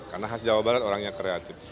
karena khas jawa barat orang yang kreatif